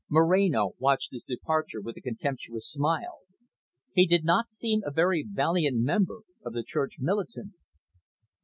Moreno watched his departure with a contemptuous smile. He did not seem a very valiant member of the church militant.